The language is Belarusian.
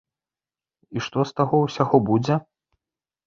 І што з таго ўсяго будзе?